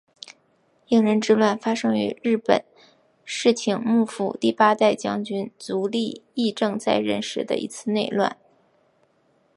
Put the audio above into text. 应仁之乱发生于日本室町幕府第八代将军足利义政在任时的一次内乱。